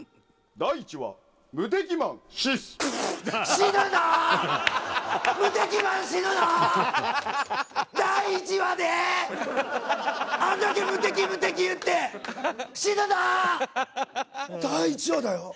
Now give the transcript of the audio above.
第１話だよ？